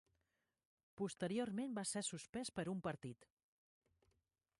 Posteriorment va ser suspès per un partit.